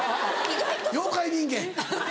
妖怪人間。